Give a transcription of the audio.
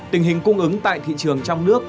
tình hình cung ứng tại thị trường trong nước